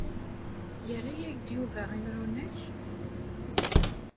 Yerra-ak-d Yuba imru-nnek?